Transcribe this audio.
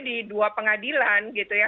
di dua pengadilan gitu ya